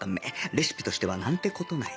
レシピとしてはなんて事ない